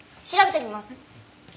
調べてみます。